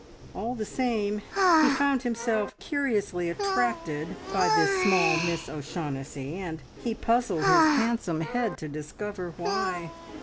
All the same, he found himself curiously attracted by this small Miss O'Shaughnessy, and he puzzled his handsome head to discover why.